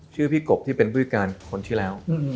ชื่อพี่กบที่เป็นบริการคนที่แล้ว